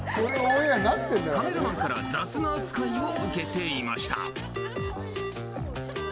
カメラマンから雑な扱いを受けていました。